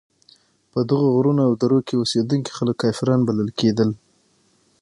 په دغو غرونو او درو کې اوسېدونکي خلک کافران بلل کېدل.